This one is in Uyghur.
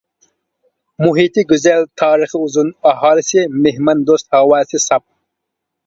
مۇھىتى گۈزەل، تارىخى ئۇزۇن، ئاھالىسى مېھماندوست، ھاۋاسى ساپ.